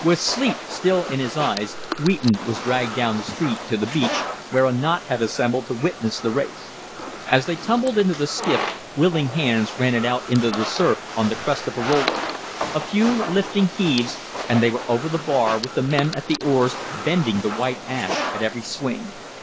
With sleep still in his eyes Wheaton was dragged down the street to the beach, where a knot had assembled to witness the race. As they tumbled into the skiff, willing hands ran it out into the surf on the crest of a roller. A few lifting heaves and they were over the bar with the men at the oars bending the white ash at every swing.